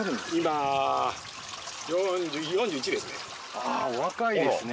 あお若いですね。